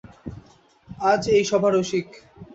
আজ এই সভা– রসিক।